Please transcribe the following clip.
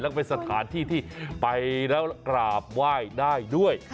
แล้วก็เป็นสถานที่ที่ไปแล้วกราบไหว้ได้ด้วย